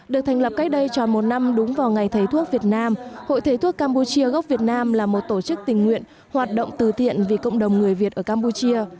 được thành lập cách đây tròn một năm đúng vào ngày thầy thuốc việt nam hội thầy thuốc campuchia gốc việt nam là một tổ chức tình nguyện hoạt động từ thiện vì cộng đồng người việt ở campuchia